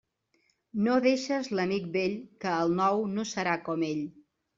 No deixes l'amic vell, que el nou no serà com ell.